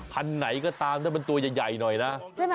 คันไหนก็ตามแต่มันตัวใหญ่หน่อยนะ